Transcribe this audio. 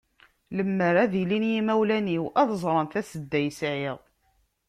Lemmer ad ilin yimawlan-iw, ad ẓren tasedda i yesɛiɣ.